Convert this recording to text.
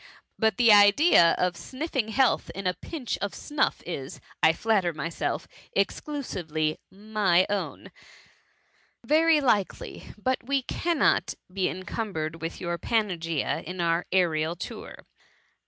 But the idea of sniffing health in a pinch of snuff is, I flatter myself, exclusively my own." THE MUMMY. 177 (( Very likely ; but we cannot be encumbered with your pana9ea in our aerial tour.""